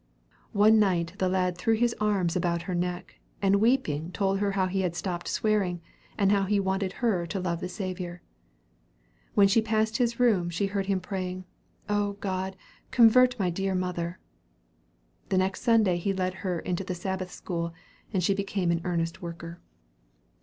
One night the lad threw his arms about her neck, and weeping told her how he had stopped swearing, and how he wanted her to love the Saviour. When she passed his room, she heard him praying, "Oh, God, convert my dear mother." The next Sunday he led her into the Sabbath school, and she became an earnest worker.